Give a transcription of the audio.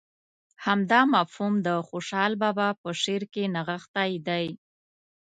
همدا مفهوم د خوشحال بابا په شعر کې نغښتی دی.